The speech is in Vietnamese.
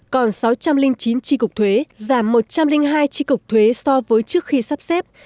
còn sáu trăm linh chín tri cục thuế giảm một trăm linh hai tri cục thuế so với trước khi sắp xếp